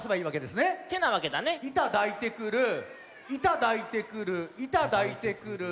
板抱いてくるいただいてくるいただいてくる。